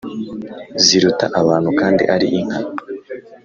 ziruta abantu kandi ari inka.